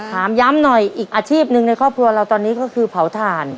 ถามย้ำหน่อยอีกอาชีพหนึ่งในครอบครัวเราตอนนี้ก็คือเผาถ่าน